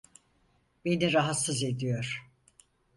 Beni rahatsız ediyor.